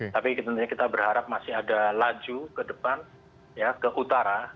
tapi tentunya kita berharap masih ada laju ke depan ke utara